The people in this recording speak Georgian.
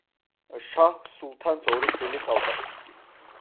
შაჰ სულთანს ორი შვილი ჰყავდა.